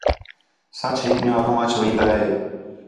سَچ ہِک ݙِین٘ہوں اڳّوں اَچ وین٘دا ہِے